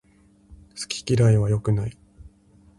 好き嫌いは良くない